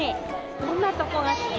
どんなとこが好き？